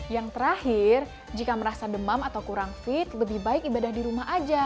yang terakhir jika merasa demam atau kurang fit lebih baik ibadah di rumah aja